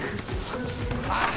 あっ。